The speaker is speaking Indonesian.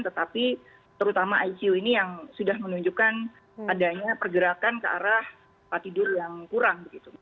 tetapi terutama icu ini yang sudah menunjukkan adanya pergerakan ke arah tempat tidur yang kurang begitu